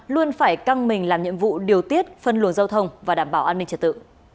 luôn phải căng mình làm nhiệm vụ điều tiết phân luồng giao thông và đảm bảo an ninh trật tự